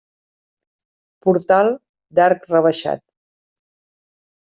Portal d'arc rebaixat.